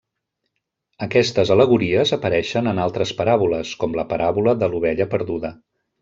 Aquestes al·legories apareixen en altres paràboles, com la paràbola de l'ovella perduda.